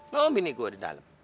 ngomong bininya gue di dalam